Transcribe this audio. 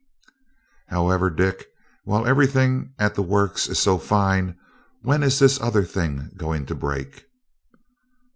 "However, Dick, while everything at the works is so fine, when is this other thing going to break?"